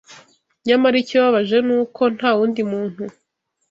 Nyamara ikibabaje ni uko nta wundi muntu